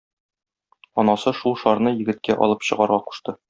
Анасы шул шарны егеткә алып чыгарга кушты.